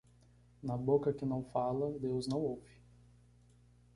Na boca que não fala, Deus não ouve.